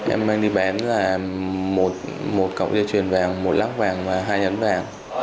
em mang đi bán là một cộng dây chuyền vàng một lác vàng và hai nhấn vàng